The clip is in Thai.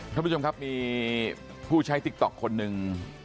ท่านผู้ชมครับมีผู้ใช้ติ๊กต๊อกคนหนึ่ง